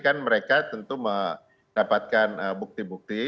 kan mereka tentu mendapatkan bukti bukti